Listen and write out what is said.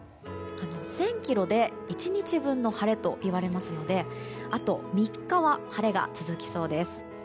１０００ｋｍで１日分の晴れといわれますのであと３日は晴れが続きそうです。